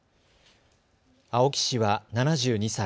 青木氏は７２歳。